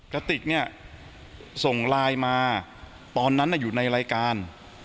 กระติกเนี่ยส่งไลน์มาตอนนั้นอยู่ในรายการ